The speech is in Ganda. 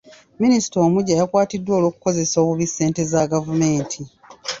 Minisita omuggya yakwatiddwa olw'okukozesa obubi ssente za gavumenti.